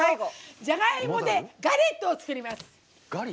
じゃがいもでガレットを作ります。